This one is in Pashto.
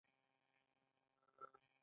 بله برخه هغه ده چې کاري ځواک پرې پېرل کېږي